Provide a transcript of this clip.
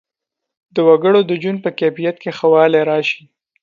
د وګړو د ژوند په کیفیت کې ښه والی راشي.